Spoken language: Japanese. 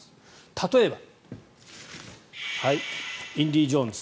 例えば「インディ・ジョーンズ」。